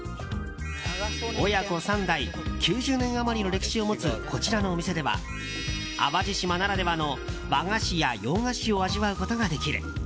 親子３代９０年余りの歴史を持つこちらのお店では淡路島ならではの和菓子や洋菓子を味わうことができる。